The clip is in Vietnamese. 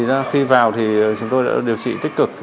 cháu này khi vào thì chúng tôi đã điều trị tích cực